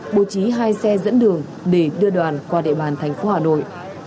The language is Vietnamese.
bố trí hai xe dẫn đường để đưa đoàn qua địa bàn thành phố hà nội